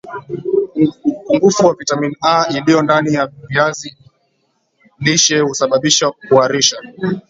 upungufu wa vitamini A iliyo ndani ya viazi lishe husababisha kuharisha